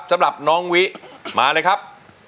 สำหรับน้องวิมาเลยครับ